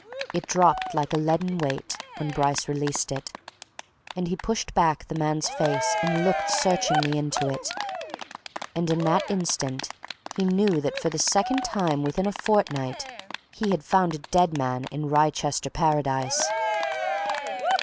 It dropped like a leaden weight when Bryce released it, and he pushed back the man's face and looked searchingly into it. And in that instant he knew that for the second time within a fortnight he had found a dead man in Wrychester Paradise.